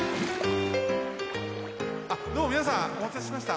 あっどうもみなさんおまたせしました。